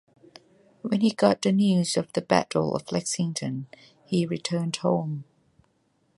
When he got the news of the Battle of Lexington he returned home.